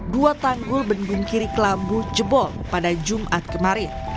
dua tanggul bendung kiri kelabu jebol pada jumat kemarin